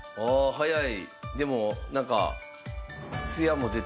早い。